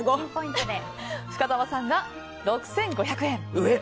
深澤さんが６５００円。